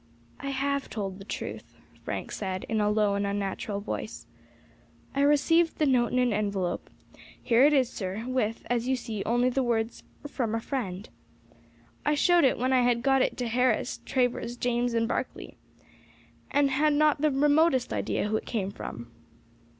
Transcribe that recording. "I have told the truth," Frank said, in a low and unnatural voice. "I received the note in an envelope; here it is, sir, with, as you see, only the words 'From a friend.' I showed it when I had got it to Harris, Travers, James, and Barkley, and had not the remotest idea who it came from."